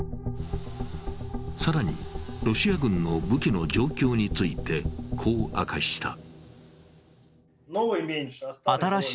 更に、ロシア軍の武器の状況について、こう明かした。